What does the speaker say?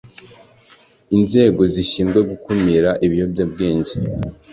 Inzego zishinzwe Gukumira ibiyobyabwenge